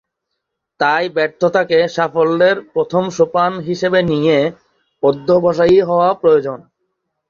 তাই ব্যর্থতাকে সাফল্যের প্রথম সোপান হিসেবে নিয়ে অধ্যবসায়ী হওয়া প্রয়োজন।